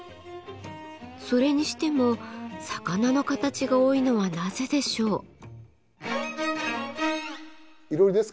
それにしても魚の形が多いのはなぜでしょう。